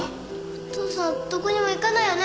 お父さんどこにも行かないよね？